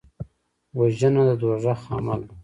وژنه د دوزخ عمل دی